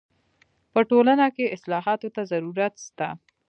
په ټولنه کي اصلاحاتو ته ضرورت سته.